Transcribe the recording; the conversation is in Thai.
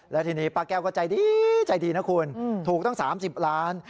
แล้วทีนี้ป้าแก้วก็ใจดีใจดีนะคุณถูกตั้ง๓๐ล้าน